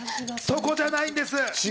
そこじゃないんです。